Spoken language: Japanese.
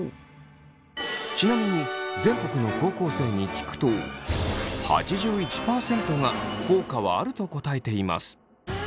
ちなみに全国の高校生に聞くと８１％が「効果はある」と答えています。